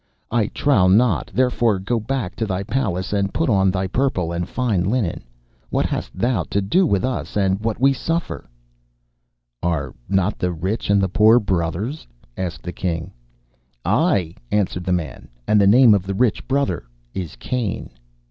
I trow not. Therefore go back to thy Palace and put on thy purple and fine linen. What hast thou to do with us, and what we suffer?' 'Are not the rich and the poor brothers?' asked the young King. 'Ay,' answered the man, 'and the name of the rich brother is Cain.